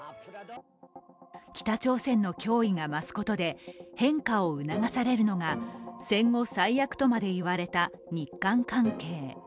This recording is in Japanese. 北朝鮮の脅威が増すことによって、変化を促されるのが、戦後最悪とまでいわれた日韓関係。